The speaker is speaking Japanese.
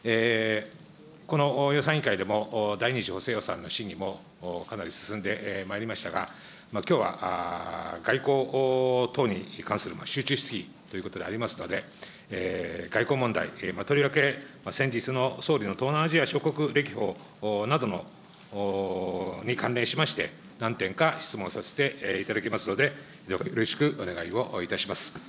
この予算委員会でも、第２次補正予算の審議もかなり進んでまいりましたが、きょうは外交等に関する集中質疑ということでありますので、外交問題、とりわけ先日の総理の東南アジア諸国歴訪などに関連しまして、何点か質問させていただきますので、よろしくお願いをいたします。